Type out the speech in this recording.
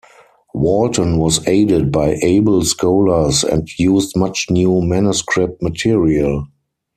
Walton was aided by able scholars and used much new manuscript material.